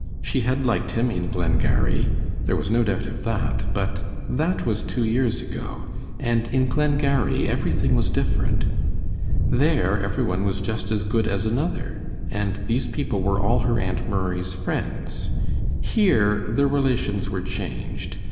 She had liked him in Glengarry. There was no doubt of that, but that was two years ago, and in Glengarry everything was different! There every one was just as good as another, and these people were all her Aunt Murray's friends. Here the relations were changed.